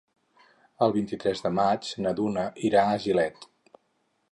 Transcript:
El vint-i-tres de maig na Duna irà a Gilet.